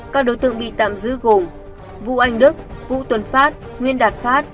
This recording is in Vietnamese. các đối tượng bị tạm giữ gồm vũ anh đức vũ tuần phát nguyên đạt phát